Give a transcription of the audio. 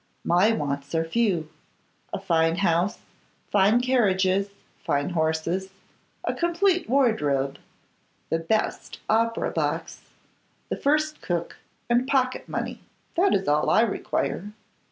My wants are few; a fine house, fine carriages, fine horses, a complete wardrobe, the best opera box, the first cook, and pocket money; that is all I require.